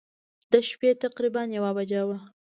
د شپې تقریباً یوه بجه وه.